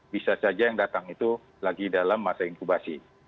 bisa saja yang datang itu lagi dalam masa inkubasi